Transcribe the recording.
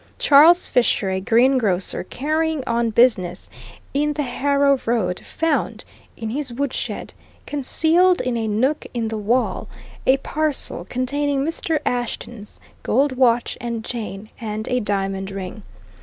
Charles Fisher, a greengrocer, carrying on business in the Harrow Road, found in his woodshed, concealed in a nook in the wall, a parcel containing Mr. Ashton's gold watch and chain and a diamond ring.